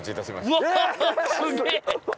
うわすげえ！